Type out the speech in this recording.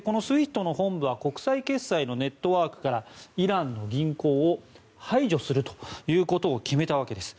このＳＷＩＦＴの本部は国際決済のネットワークからイランの銀行を排除するということを決めたわけです。